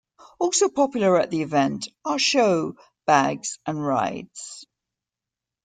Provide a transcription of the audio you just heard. Also popular at the event are show bags and rides.